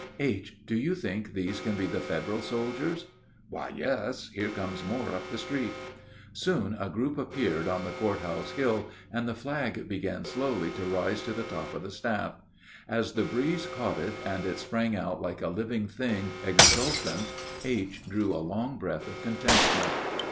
"H., do you think these can be the Federal soldiers?" "Why, yes; here come more up the street." Soon a group appeared on the court house hill, and the flag began slowly to rise to the top of the staff. As the breeze caught it, and it sprang out like a live thing exultant, H. drew a long breath of contentment.